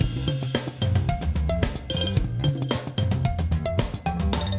โปรดติดตามตอนต่อไป